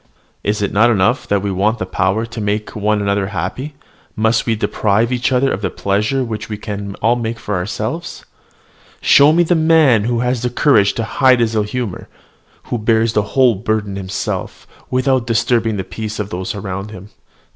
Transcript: Is it not enough that we want the power to make one another happy, must we deprive each other of the pleasure which we can all make for ourselves? Show me the man who has the courage to hide his ill humour, who bears the whole burden himself, without disturbing the peace of those around him.